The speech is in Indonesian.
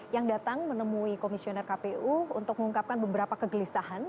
yang datang menemui komisioner kpu untuk mengungkapkan beberapa kegelisahan